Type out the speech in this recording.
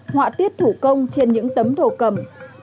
họa tiết thủ công trên những tấm thổ cẩm